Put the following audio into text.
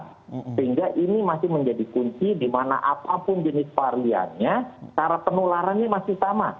sehingga ini masih menjadi kunci dimana apapun jenis variannya cara penularan ini masih sama